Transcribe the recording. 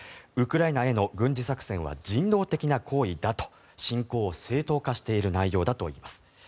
ウクライナへの軍事作戦は人道的な行為だと侵攻を正当化している内容だといいます。